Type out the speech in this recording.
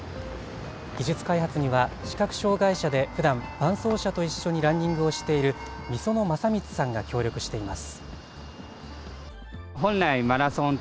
技術開発には視覚障害者でふだん、伴走者と一緒にランニングをしている、御園政光さんが協力しています。